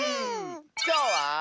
きょうは。